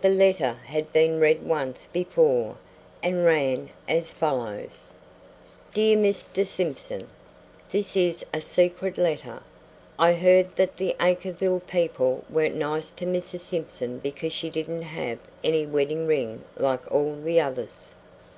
The letter had been read once before and ran as follows: Dear Mr. Simpson: This is a secret letter. I heard that the Acreville people weren't nice to Mrs. Simpson because she didn't have any wedding ring like all the others.